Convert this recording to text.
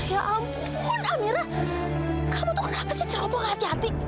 ya ampun amira kamu tuh kenapa sih cerobong hati hati